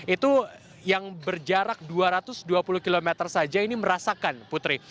itu yang berjarak dua ratus dua puluh km saja ini merasakan putri